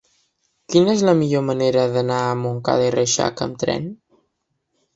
Quina és la millor manera d'anar a Montcada i Reixac amb tren?